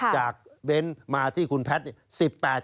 จากเวนมาที่คุณแพทย์